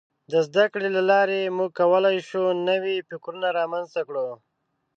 د زدهکړې له لارې موږ کولای شو نوي فکرونه رامنځته کړو.